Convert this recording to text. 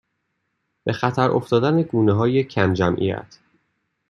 به خطر افتادن گونههای کمجمعیت